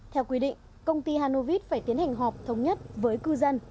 theo quy định công ty hanovit phải tiến hành họp thống nhất với cư dân